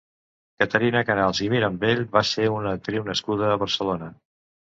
Caterina Casals i Mirambell va ser una actriu nascuda a Barcelona.